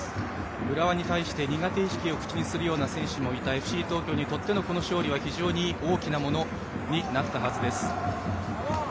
浦和に対して苦手意識を口にする選手もいたＦＣ東京にとってのこの勝利は非常に大きなものになったはずです。